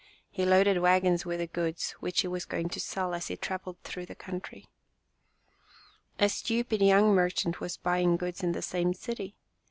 He loaded wagons with the goods, which he was going to sell as he traveled through the country. A stupid young merchant was buying goods in the same city.